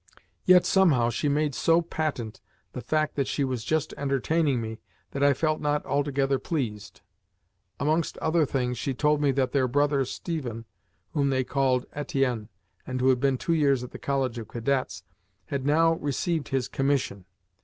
Yet somehow she made so patent the fact that she was just entertaining me that I felt not altogether pleased. Amongst other things, she told me that their brother Stephen (whom they called Etienne, and who had been two years at the College of Cadets) had now received his commission.